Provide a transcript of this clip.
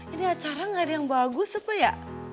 ini acara gak ada yang bagus apa ya